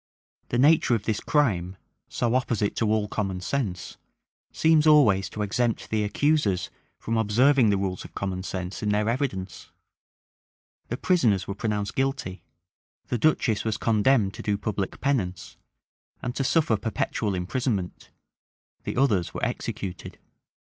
The nature of this crime, so opposite to all common sense, seems always to exempt the accusers from observing the rules of common sense in their evidence: the prisoners were pronounced guilty; the duchess was condemned to do public penance, and to suffer perpetual imprisonment; the others were executed.